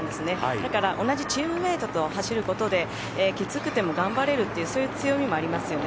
だから同じチームメートと走ることできつくても頑張れるということがありますよね。